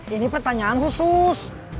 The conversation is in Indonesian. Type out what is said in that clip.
ini pertanyaan khusus